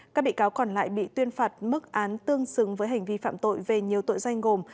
các bị cáo còn lại bị tuyên phạt mức án tương xứng với hành vi phạm tội về nhiều tội danh gồm